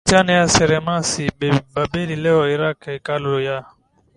Mabustani ya Semiramis Babeli leo Irak Hekalu ya